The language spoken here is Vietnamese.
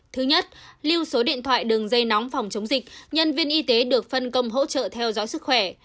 thứ nhất lưu số điện thoại đường dây nóng phòng chống dịch nhân viên y tế được phân công hỗ trợ theo dõi sức khỏe